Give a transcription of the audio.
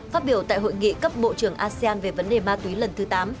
phát biểu tại hội nghị cấp bộ trưởng asean về vấn đề ma túy lần thứ tám